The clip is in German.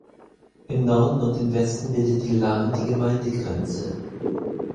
Im Norden und im Westen bildet die Lahn die Gemeindegrenze.